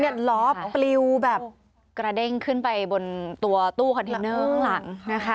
ล้อปลิวแบบกระเด้งขึ้นไปบนตัวตู้คอนเทนเนอร์ข้างหลังนะคะ